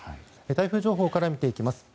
台風情報から見ていきます。